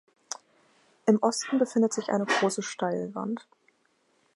Im Osten befindet sich eine große Steilwand.